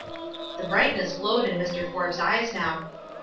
'" The brightness glowed in Mr. Forbes' eyes now.